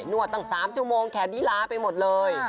วดตั้ง๓ชั่วโมงแขนลีลาไปหมดเลย